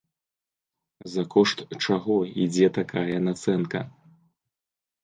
За кошт чаго ідзе такая нацэнка?